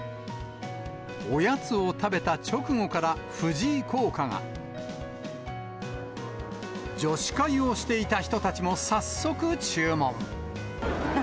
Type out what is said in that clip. おやつを食べた直後から、藤井効果が。女子会をしていた人たちも早速注文。